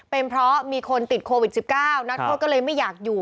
เป็นเพราะมีคนติดโควิด๑๙นักโทษก็เลยไม่อยากอยู่